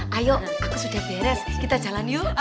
ayo aku sudah beres kita jalan yuk